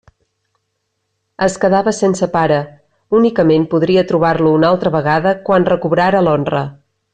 Es quedava sense pare: únicament podria trobar-lo una altra vegada quan recobrara l'honra.